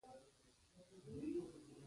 ټولنو ته معنوي خدمات ورکول لویه اتلولي ده.